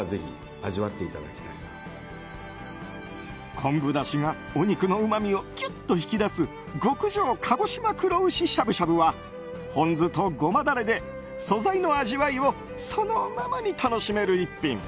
昆布だしがお肉のうまみをギュッと引き出す極上鹿児島黒牛しゃぶしゃぶはポン酢とごまダレで素材の味わいをそのままに楽しめる逸品。